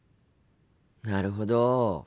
なるほど。